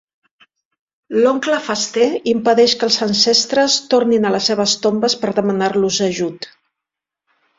L'oncle Fester impedeix que els Ancestres tornin a les seves tombes per demanar-los ajut.